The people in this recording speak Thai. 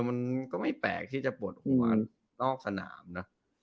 มันก็ไม่แปลกที่จะปวดหัวนอกสนามนะ